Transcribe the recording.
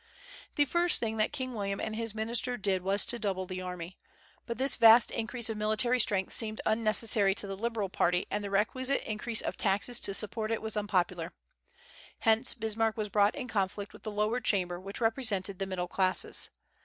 The first thing that King William and his minister did was to double the army. But this vast increase of military strength seemed unnecessary to the Liberal party, and the requisite increase of taxes to support it was unpopular. Hence, Bismarck was brought in conflict with the lower Chamber, which represented the middle classes.